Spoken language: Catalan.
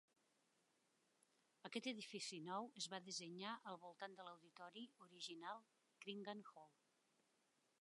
Aquest edifici nou es va dissenyar al voltant de l'auditori original, Cringan Hall.